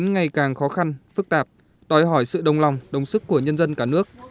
ngày càng khó khăn phức tạp đòi hỏi sự đồng lòng đồng sức của nhân dân cả nước